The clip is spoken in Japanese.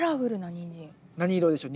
何色でしょう？